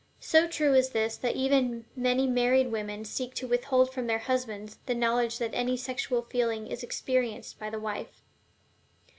So true is this that even many married women seek to withhold from their husbands the knowledge that any sexual feeling is experienced by the wife.